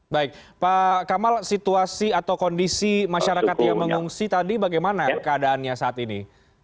baik pak kamal situasi atau kondisi masyarakat yang mengungsi tadi bagaimana keadaannya saat ini